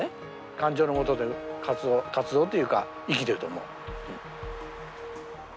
感情のもとで活動活動というか生きてると思う。